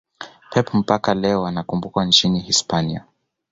pep mpaka leo anakumbukwa nchini hispania